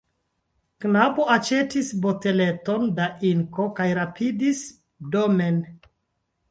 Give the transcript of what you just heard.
Knabo aĉetis boteleton da inko kaj rapidis domen.